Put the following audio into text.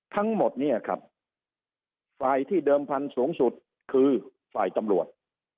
ทั้งหมดเนี่ยครับฝ่ายที่เดิมพันธุ์สูงสุดคือฝ่ายตำรวจ